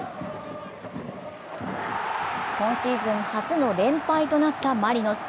今シーズン初の連敗となったマリノス。